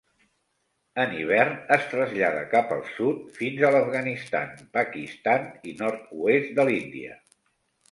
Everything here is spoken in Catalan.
En hivern es trasllada cap al sud fins a l'Afganistan, Pakistan i nord-oest de l'Índia.